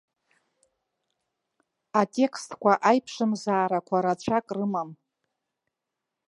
Атекстқәа аиԥшымзаарақәа рацәак рымам.